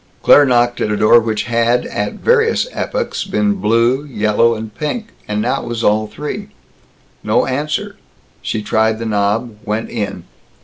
Claire knocked at a door which had at various epochs been blue, yellow, and pink, and now was all three. No answer. She tried the knob, went in.